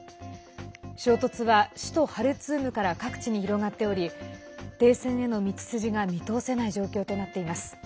衝突は首都ハルツームから各地に広がっており停戦への道筋が見通せない状況となっています。